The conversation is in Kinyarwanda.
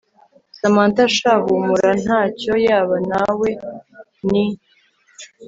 Samantha sha humura ntacyo yaba nawe ni